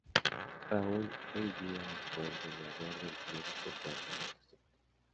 Raúl Ruidíaz fue el goleador del club con cuatro anotaciones.